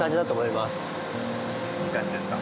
いい感じですか？